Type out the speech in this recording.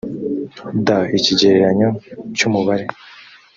d ikigereranyo cy umubare